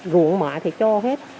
ruộng mẹ thì cho hết